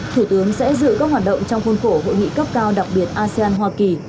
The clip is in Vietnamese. thủ tướng sẽ giữ các hoạt động trong khuôn khổ hội nghị cấp cao đặc biệt asean hoa kỳ